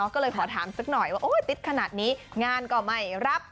ก็เลยขอถามสักหน่อยว่าติดขนาดนี้งานก็ไม่รับ